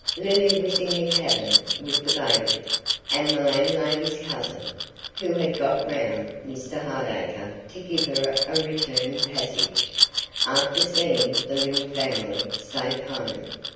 Lily was in the cabin with the baby and the landlady's cousin, who had 'got round' Mr Hardacre to give her a return passage, after seeing the little family safe home.